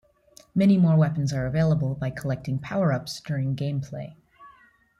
Many more weapons are available by collecting power-ups during gameplay.